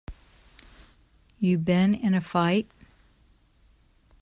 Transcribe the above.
You been in a fight?